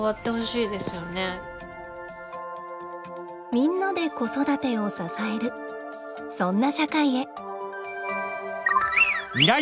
みんなで子育てを支えるそんな社会へ。